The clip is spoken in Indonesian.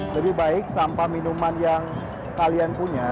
lebih baik sampah minuman yang kalian punya